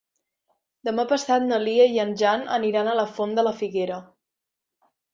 Demà passat na Lia i en Jan aniran a la Font de la Figuera.